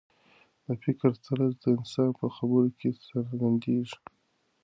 د فکر طرز د انسان په خبرو کې څرګندېږي.